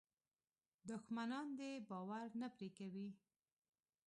دښمنان دې باور نه پرې کوي.